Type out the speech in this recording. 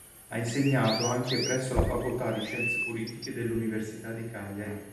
Ha insegnato anche presso la Facoltà di Scienze Politiche dell'Università di Cagliari.